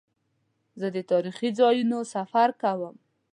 زه د تاریخي ځایونو سفر کوم.